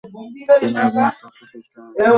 তিনি একবার আত্মহত্যার চেষ্টা চালিয়েছিলেন।